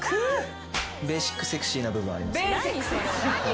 ベーシックセクシーな部分あります。